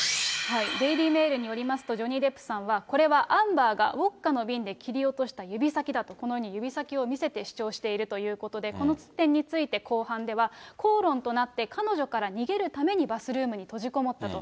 デイリー・メールによりますと、ジョニー・デップさんは、これはアンバーがウォッカの瓶で切り落とした指先だと、このように指先を見せて主張しているということで、この点について公判では、口論となって、彼女から逃げるためにバスルームに閉じこもったと。